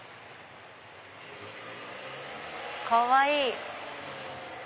かわいい！